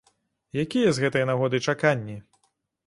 Якія з гэтай нагоды чаканні?